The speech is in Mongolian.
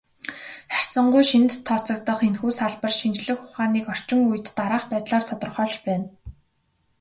Харьцангуй шинэд тооцогдох энэхүү салбар шинжлэх ухааныг орчин үед дараах байдлаар тодорхойлж байна.